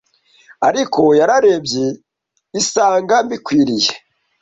ariko yararebye isanga mbikwiriye